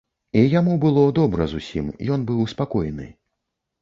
І яму было добра зусім, ён быў спакойны.